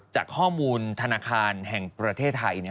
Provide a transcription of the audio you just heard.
จากข้อมูลธนาคารแห่งประเทศไทย